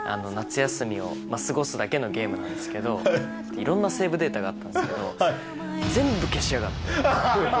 夏休みを過ごすだけのゲームなんですけど、いろんなセーブデータがあったんですけど、全部消しやがって。